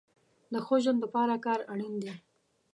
د ښه ژوند د پاره کار اړين دی